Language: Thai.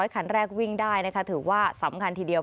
๑๐๐ขันแรกวิ่งได้นะฮะถือว่าสำคัญทีเดียว